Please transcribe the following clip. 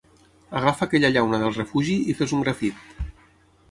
Agafa aquella llauna del refugi i fes un grafit.